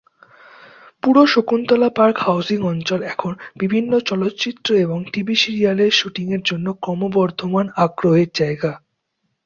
পুরো Shakuntala park housing অঞ্চল এখন বিভিন্ন চলচ্চিত্র এবং টিভি সিরিয়ালের শুটিংয়ের জন্য ক্রমবর্ধমান আগ্রহের জায়গা।